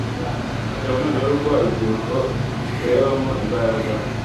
kugira ngo noneho rwa rubyiruko turebamo imbaraga